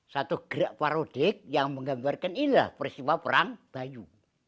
satu gerak parodik yang menggambarkan inilah peristiwa perang bayu